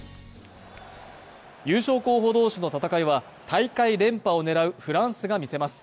優勝候補同士の戦いは大会連覇を狙うフランスが見せます。